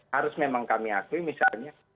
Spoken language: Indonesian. harus memang kami akui misalnya